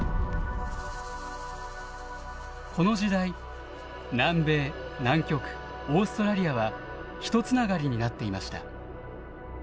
この時代南米南極オーストラリアは一繋がりになっていました。